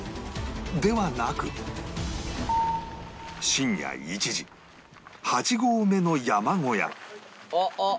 ではなく深夜１時８合目の山小屋あっ！